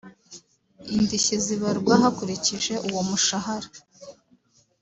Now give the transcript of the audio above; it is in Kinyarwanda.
indishyi zibarwa hakurikijwe uwo mushahara